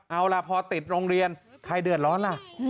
เอาล่ะพอติดโรงเรียนใครเดือดร้อนล่ะ